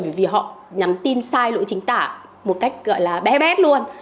bởi vì họ nhắn tin sai lỗi chính tả một cách gọi là bé bét luôn